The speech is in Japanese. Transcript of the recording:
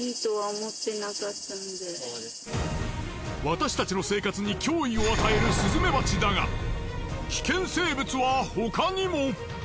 私たちの生活に脅威を与えるスズメバチだが危険生物は他にも！